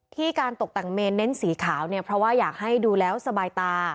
การตกแต่งเมนเน้นสีขาวเนี่ยเพราะว่าอยากให้ดูแล้วสบายตา